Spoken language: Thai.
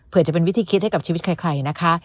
เพื่อจะเป็นวิธีคิดให้กับชีวิตใครนะคะ